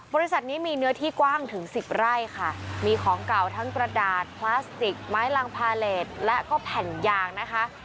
บริษัทนี้มีเนื้อที่กว้างถึงสิบไร่ค่ะมีของเก่าทั้งกระดาษพลาสติกไม้ลังพาเลสและก็แผ่นยางนะคะ